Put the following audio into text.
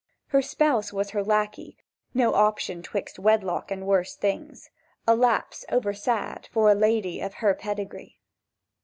"Her spouse was her lackey—no option 'Twixt wedlock and worse things; A lapse over sad for a lady Of her pedigree!"